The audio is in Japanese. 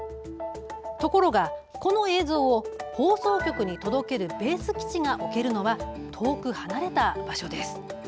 ところが、この映像を放送局に届けるベース基地が置けるのは遠く離れた場所です。